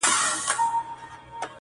لوستونکی ژور فکر ته ځي تل,